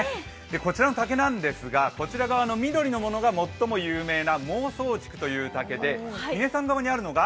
こちらの竹なんですが、こちら側の緑のものが最も有名な孟宗竹という竹で嶺さん側にあるのが？